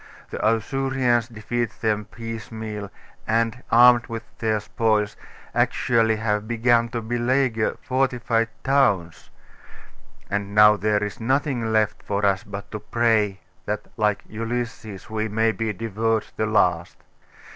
The Ausurians defeat them piecemeal, and, armed with their spoils, actually have begun to beleaguer fortified towns; and now there is nothing left for us, but to pray that, like Ulysses, we may be devoured the last.